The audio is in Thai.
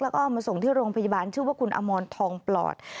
แล้วก็เอามาส่งที่โรงพยาบาลชื่อว่าคุณอมรทองปลอด